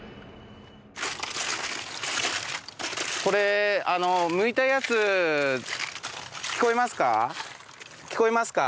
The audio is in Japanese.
これあのむいたやつ聞こえますか？